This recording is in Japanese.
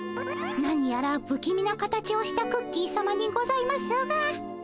何やらぶきみな形をしたクッキーさまにございますが。